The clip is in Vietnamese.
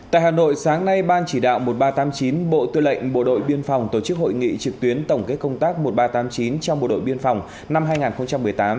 tại hà nội sáng nay ban chỉ đạo một nghìn ba trăm tám mươi chín bộ tư lệnh bộ đội biên phòng tổ chức hội nghị trực tuyến tổng kết công tác một nghìn ba trăm tám mươi chín trong bộ đội biên phòng năm hai nghìn một mươi tám